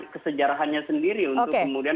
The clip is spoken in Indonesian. kesejarahannya sendiri untuk kemudian